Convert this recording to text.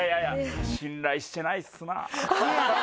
信頼してないっすな。